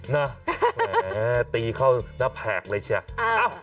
แหมตีเข้าน้ำแผลกเลยใช่ไหม